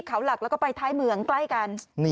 เขาหลักแล้วก็ไปท้ายเมืองใกล้กัน